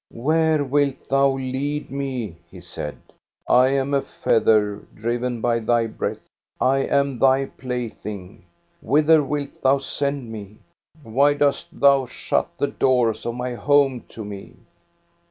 " Where wilt thou lead me ?" he said. " I am a feather, driven by thy breath. I am thy plaything. Whither wilt thou send me? Why dost thou shut the doors of my home to me?"